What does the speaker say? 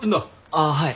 あっはい。